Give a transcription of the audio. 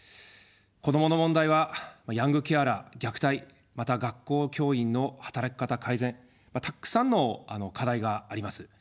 子どもの問題はヤングケアラー、虐待、また、学校教員の働き方改善、たくさんの課題があります。